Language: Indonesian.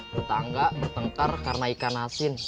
bertangga bertengkar karena ikan asin